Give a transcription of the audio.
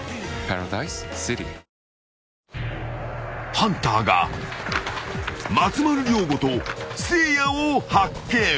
［ハンターが松丸亮吾とせいやを発見］